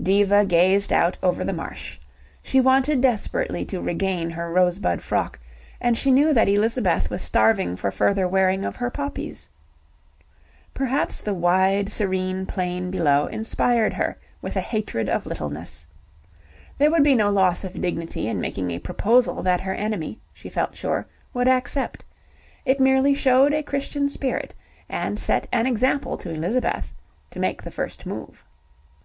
Diva gazed out over the marsh. She wanted desperately to regain her rosebud frock, and she knew that Elizabeth was starving for further wearing of her poppies. Perhaps the wide, serene plain below inspired her with a hatred of littleness. There would be no loss of dignity in making a proposal that her enemy, she felt sure, would accept: it merely showed a Christian spirit, and set an example to Elizabeth, to make the first move.